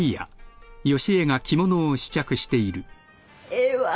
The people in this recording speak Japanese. ええわ。